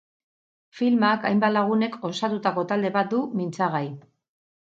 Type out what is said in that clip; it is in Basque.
Filmak hainbat lagunek osatutako talde bat du mintzagai.